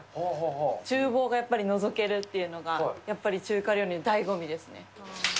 ちゅう房がやっぱり、のぞけるっていうのが、やっぱり中華料理のだいご味ですね。